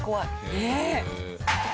ねえ！